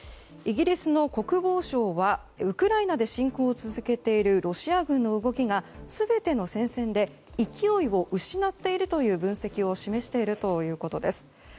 イギリスの国防省はウクライナで侵攻を続けているロシア軍の動きが全ての戦線で勢いを失っているという分析を示しているということです。